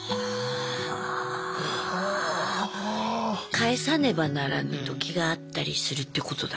帰さねばならぬときがあったりするってことだ。